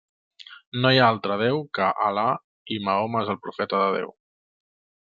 No hi ha altre Déu que Al·là i Mahoma és el Profeta de Déu.